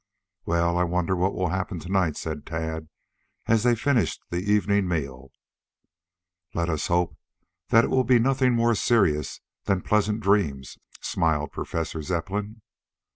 "Well, I wonder what will happen to night," said Tad, as they finished the evening meal. "Let us hope that it will be nothing more serious than pleasant dreams," smiled Professor Zepplin.